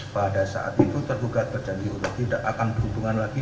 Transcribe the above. pada saat itu tergugat berjanji untuk tidak akan berhubungan lagi